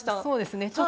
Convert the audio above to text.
そうですね。